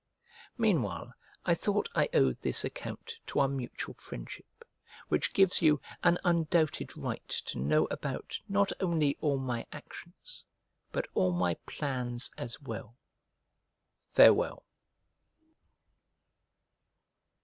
Meanwhile I thought I owed this account to our mutual friendship, which gives you an undoubted right to know about not only all my actions but all my plans as well. Farewell.